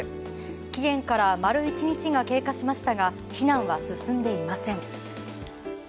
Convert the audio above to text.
期限から丸１日が経過しましたが避難は進んでいません。